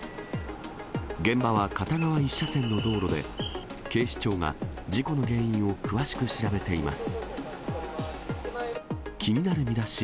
現場は片側１車線の道路で、警視庁が事故の原因を詳しく調べています。